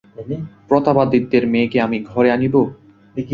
প্রতাপাদিত্যের মেয়েকে আমি ঘরে আনিব?